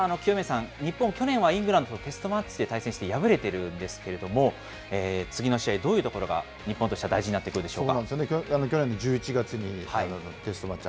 実は清宮さん、日本、去年はイングランドとテストマッチで対戦して敗れているんですけれども、次の試合、どういうところが日本としては大事になってくるでしょうか。